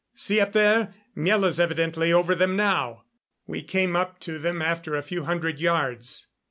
See up there Miela's evidently over them now." We came up to them after a few hundred yards.